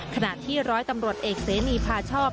ขณะที่ร้อยตำรวจเอกเสนีพาชอบ